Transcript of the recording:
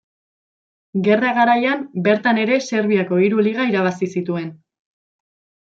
Gerra garaian bertan ere Serbiako hiru liga irabazi zituen.